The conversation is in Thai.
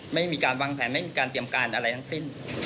ไม่มีการวางแผนไม่มีการเตรียมการอะไรทั้งสิ้น